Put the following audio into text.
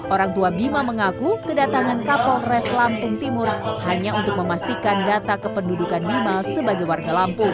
orang tua bima mengaku kedatangan kapolres lampung timur hanya untuk memastikan data kependudukan bima sebagai warga lampung